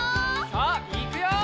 さあいくよ！